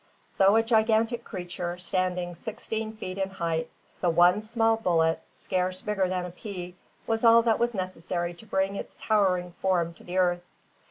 Though a gigantic creature, standing sixteen feet in height the one small bullet, scarce bigger than a pea, was all that was necessary to bring its towering form to the earth.